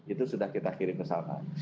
itu sudah kita kirim ke sana